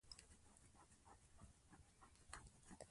پرنګیان د افغان غازیو پر وړاندې ماتې وخوړله.